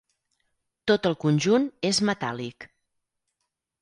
Tot el conjunt és metàl·lic.